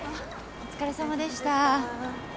お疲れさまでした。